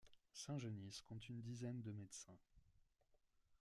Saint Genis compte une dizaine de médecins.